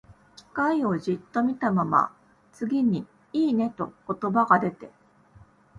機械をじっと見たまま、次に、「いいね」と言葉が出て、